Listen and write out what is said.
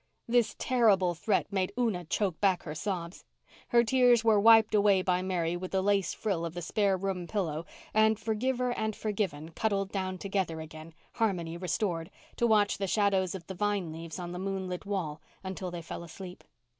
This terrible threat made Una choke back her sobs. Her tears were wiped away by Mary with the lace frill of the spare room pillow and forgiver and forgiven cuddled down together again, harmony restored, to watch the shadows of the vine leaves on the moonlit wall until they fell asleep.